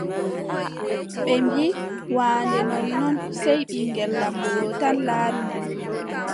Ɓe mbiʼi wamnde nonnnon, sey ɓiŋngel laamɗo ɗo tan laari mo.